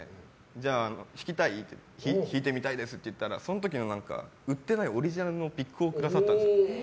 じゃあ、弾きたい？弾いてみたいですって言ったらその時、売ってないオリジナルのピックをくださったんです。